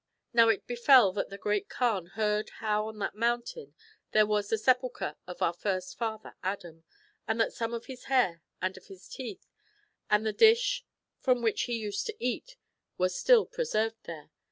Now it befel that the Great Kaan heard how on that mountain there was the sepulchre of our first father Adam, .and that some of his hair and of his teeth, and the dish from which he used to eat, were still preserved there.